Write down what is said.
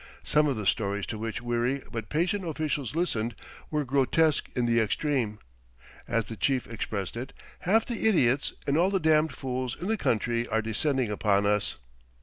Some of the stories to which weary but patient officials listened were grotesque in the extreme. As the chief expressed it, "Half the idiots and all the damned fools in the country are descending upon us."